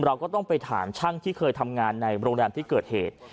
เราก็ต้องไปถามช่างที่เคยทำงานในโรงแรมที่เกิดเหตุ